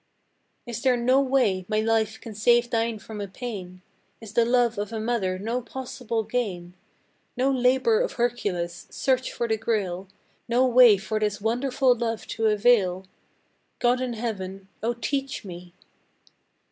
Is there no way my life can save thine from a pain? Is the love of a mother no possible gain? No labor of Hercules search for the Grail No way for this wonderful love to avail? God in Heaven O teach me!